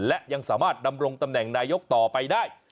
และยังสามารถดำรงตำแหน่งนายกต่อไปได้